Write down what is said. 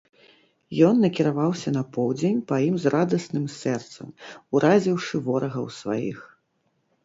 Ён накіраваўся на поўдзень па ім з радасным сэрцам, уразіўшы ворагаў сваіх.